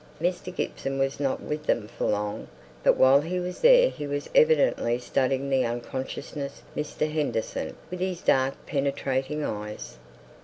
Mr. Gibson was not with them for long, but while he was there he was evidently studying the unconscious Mr. Henderson with his dark penetrating eyes.